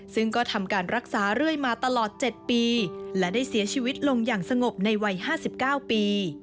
ซึ่งก็ทำการรักษาเรื่อยมาตลอด๗ปีและได้เสียชีวิตลงอย่างสงบในวัย๕๙ปี